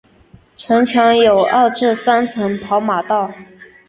城墙有二至三层的跑马道。